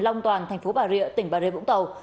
long toàn thành phố bà rịa tỉnh bà rê vũng tàu